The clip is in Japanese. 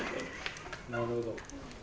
なるほど。